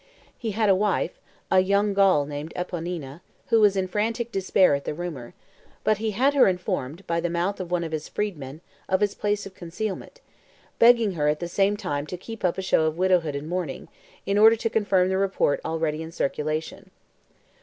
He had a wife, a young Gaul named Eponina, who was in frantic despair at the rumor; but he had her informed, by the mouth of one of his freedmen, of his place of concealment, begging her at the same time to keep up a show of widowhood and mourning, in order to confirm the report already in circulation.